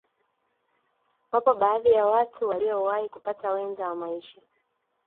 Wapo baadhi ya watu waliyowahi kupata wenza wa maisha